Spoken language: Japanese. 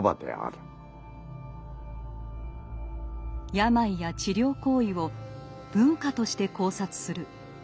病や治療行為を文化として考察する。